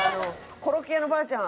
「コロッケ屋のばあちゃん！